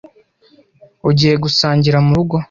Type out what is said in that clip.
Ugiye gusangira murugo?